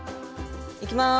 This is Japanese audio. いきます。